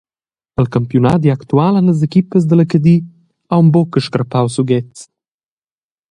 El campiunadi actual han las equipas dalla Cadi aunc buca scarpau sughets.